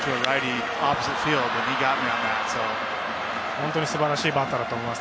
本当に素晴らしいバッターだと思います。